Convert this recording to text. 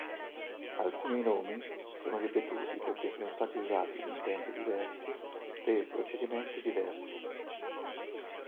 Alcuni nomi sono ripetuti perché sono stati usati, in tempi diversi, per procedimenti diversi.